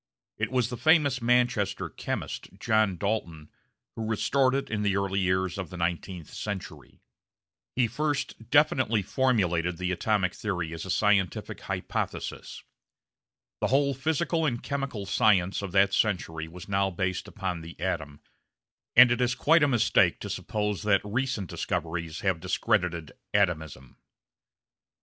It was the famous Manchester chemist, John Dalton, who restored it in the early years of the nineteenth century. He first definitely formulated the atomic theory as a scientific hypothesis. The whole physical and chemical science of that century was now based upon the atom, and it is quite a mistake to suppose that recent discoveries have discredited "atomism."